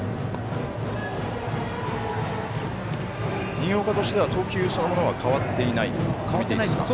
新岡としては投球そのものは変わっていないと見ていいですか。